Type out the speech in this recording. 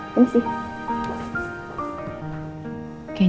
terima kasih jemim